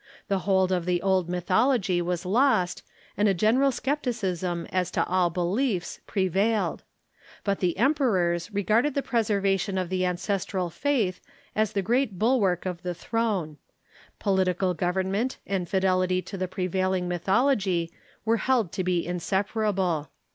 The hold of the old mythology was lost, and a general scep ticism as to all beliefs prevailed. But the emperors regarded the preservation of the ancestral faith as the great bulwark of the throne. Political government and fidelity to the pre vailing mythology were held to be inseparable.